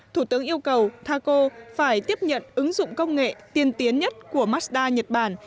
thủ tướng yêu cầu taco phải tiếp nhận ứng dụng công nghệ tiên tiến nhất của mazda nhật bản